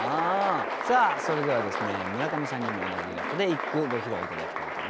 さあそれではですね村上さんにも同じイラストで一句ご披露頂きたいと思います。